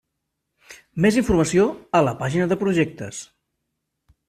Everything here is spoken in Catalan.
Més informació: a la pàgina de projectes.